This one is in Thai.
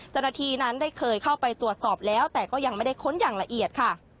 จรถีนั้นเคยเข้าไปตรวจสอบแล้วแต่ยังไม่ได้ค้นอย่างละเอียด